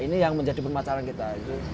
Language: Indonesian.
ini yang menjadi permasalahan kita